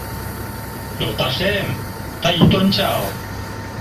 Йолташем, тый ит ончал.